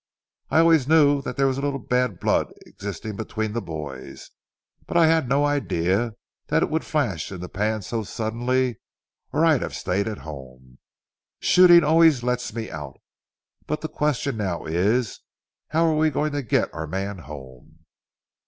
"I always knew there was a little bad blood existing between the boys, but I had no idea that it would flash in the pan so suddenly or I'd have stayed at home. Shooting always lets me out. But the question now is, How are we going to get our man home?"